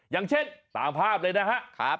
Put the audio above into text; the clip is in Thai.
อย่างเช่นตามภาพเลยนะครับ